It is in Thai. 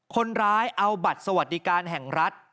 คนร้ายเอาบัตรสวัสดิการแห่งรัฐ